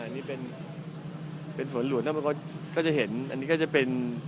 อันนี้เป็นเป็นฝนหลวงนั่นมันก็ก็จะเห็นอันนี้ก็จะเป็น